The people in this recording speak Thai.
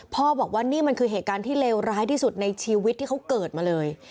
บอกว่านี่มันคือเหตุการณ์ที่เลวร้ายที่สุดในชีวิตที่เขาเกิดมาเลย